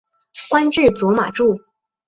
官至左马助。